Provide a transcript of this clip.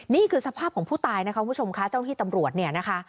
นี่คือสภาพของผู้ตายนะคะคุณผู้ชมค่ะเจ้าหน้าที่ตำรวจเนี่ยนะคะ